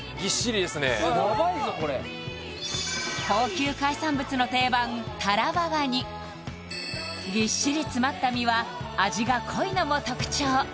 すごーいやばいぞこれ高級海産物の定番ぎっしり詰まった身は味が濃いのも特徴